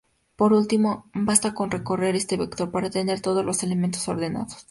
Por último, basta con recorrer este vector para tener todos los elementos ordenados.